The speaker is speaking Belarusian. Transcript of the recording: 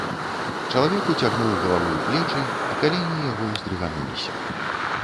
Чалавек уцягнуў галаву ў плечы, і калені яго ўздрыгануліся.